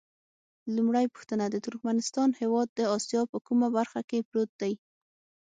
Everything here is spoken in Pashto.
لومړۍ پوښتنه: د ترکمنستان هېواد د اسیا په کومه برخه کې پروت دی؟